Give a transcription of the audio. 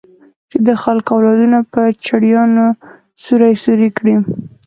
چې د خلکو اولادونه په چړيانو سوري سوري کړي.